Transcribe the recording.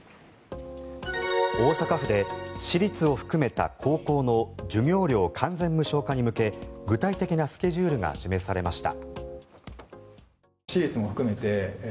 大阪府で私立を含めた高校の授業料完全無償化に向け具体的なスケジュールが示されました。